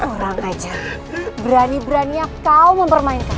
orang aja berani berani yang kau mempermainkan